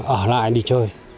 ở lại đi chơi